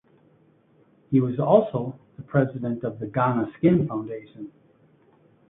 He was also the President of the Ghana Skin Foundation.